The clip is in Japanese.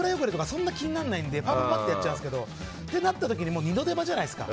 そんなに気にならないのでパパパッてやっちゃうんですけどそうなった時に二度手間じゃないですか。